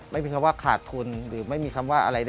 ไม่ใช่ขาดทุนไม่มีคำว่าอะไร